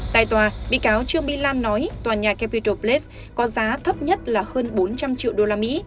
tại tòa bị cáo trương mỹ lan nói tòa nhà capital place có giá thấp nhất là hơn bốn trăm linh triệu usd